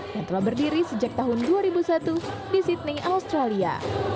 yang telah berdiri sejak tahun dua ribu satu di sydney australia